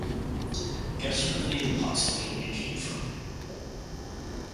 Guess where the name Potsylvania came from?